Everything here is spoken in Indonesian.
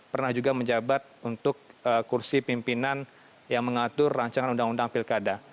pernah juga menjabat untuk kursi pimpinan yang mengatur rancangan undang undang pilkada